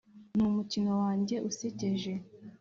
numukino wanjye usekeje,